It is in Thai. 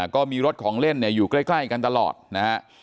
ก็มีรถของเล่นอยู่ใกล้กันตลอดนะฮะ